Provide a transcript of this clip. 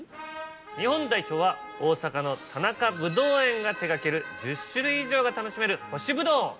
日本代表は大阪の田中ぶどう園が手掛ける１０種類以上が楽しめる。